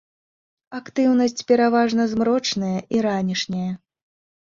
Актыўнасць пераважна змрочная і ранішняя.